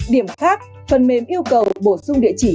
điểm khác phần mềm yêu cầu bổ sung địa chỉ